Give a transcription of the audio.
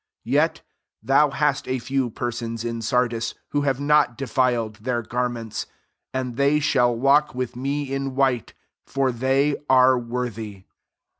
4 Yet thou hast a few persons in Sardi39 who have, not defiled their gar ments : and they shall walk with me in white ; for they are worthy.